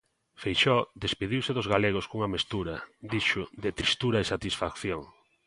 Feijóo despediuse dos galegos cunha mestura, dixo, de tristura e satisfacción.